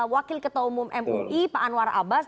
wakil ketua umum mui pak anwar abbas